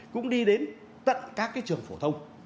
cũng đi đến tận các trường phổ thông